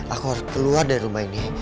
aku harus keluar dari rumah ini